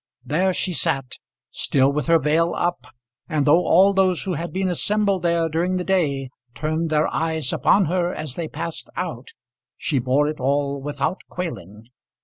There she sat, still with her veil up, and though all those who had been assembled there during the day turned their eyes upon her as they passed out, she bore it all without quailing.